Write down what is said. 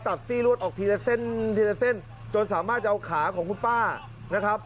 ซี่ลวดออกทีละเส้นทีละเส้นจนสามารถจะเอาขาของคุณป้านะครับ